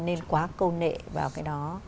nên quá câu nệ vào cái đó